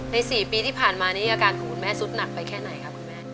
๔ปีที่ผ่านมานี้อาการของคุณแม่สุดหนักไปแค่ไหนครับคุณแม่